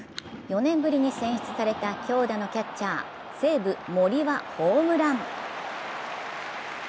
４年ぶりに選出された強打のキャッチャー西武・森はホームラン。